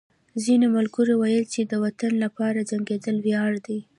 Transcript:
ځینو ملګرو ویل چې د وطن لپاره جنګېدل ویاړ دی